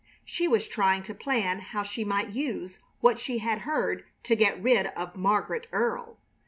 She was trying to plan how she might use what she had heard to get rid of Margaret Earle.